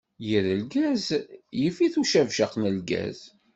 Yir rgaz, yif-it ucabcaq n lgaz.